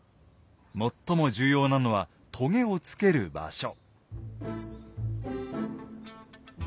最も重要なのはとげを付ける場所。